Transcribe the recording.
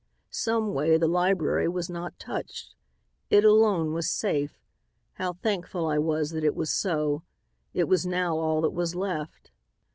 "Someway the library was not touched. It alone was safe. How thankful I was that it was so. It was now all that was left.